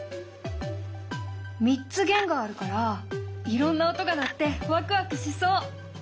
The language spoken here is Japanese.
３つ弦があるからいろんな音が鳴ってワクワクしそう！